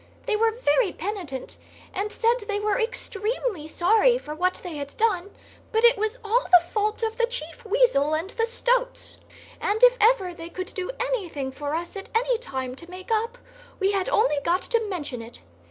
They were very penitent, and said they were extremely sorry for what they had done, but it was all the fault of the Chief Weasel and the stoats, and if ever they could do anything for us at any time to make up, we had only got to mention it.